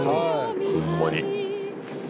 ホンマに。